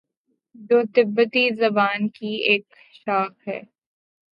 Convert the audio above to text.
جو تبتی زبان کی ایک شاخ ہے